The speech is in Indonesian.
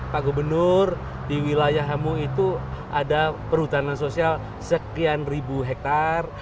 pak gubernur di wilayah hamu itu ada perhutanan sosial sekian ribu hektare